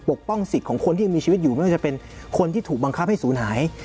ปกป้องสิทธิ์ของคนที่ยังมีชีวิตอยู่ไม่ว่าจะเป็นคนที่ถูกบังคับให้ศูนย์หาย